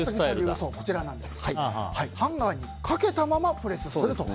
ハンガーにかけたままプレスすると。